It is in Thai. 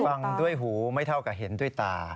ฟังด้วยหูไม่เท่ากับเห็นด้วยตา